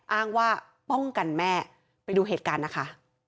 อ้างว่าป้องกันแม่ไปดูเหตุการณ์นะคะ